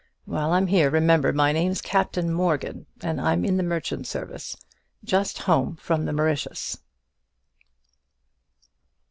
While I am here, remember my name's Captain Morgan, and I'm in the merchant service, just home from the Mauritius."